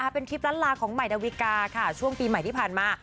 เป็นคลิปล้านลาของใหม่ดาวิกาค่ะช่วงปีใหม่ที่ผ่านมา